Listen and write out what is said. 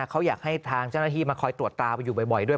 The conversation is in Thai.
เขาอยากให้ทางเจ้าหน้าที่มาคอยตรวจตาไปอยู่บ่อยด้วย